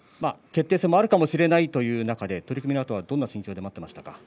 決定戦もあるかもしれないという中で取組のあとどんな心境で待ってましたか。